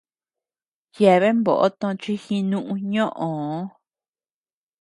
Yeabean bóʼo tochi jinuʼü ñóʼöo.